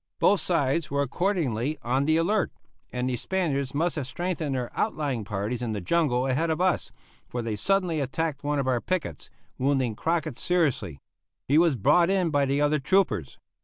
Both sides were accordingly on the alert, and the Spaniards must have strengthened their outlying parties in the jungle ahead of us, for they suddenly attacked one of our pickets, wounding Crockett seriously. He was brought in by the other troopers.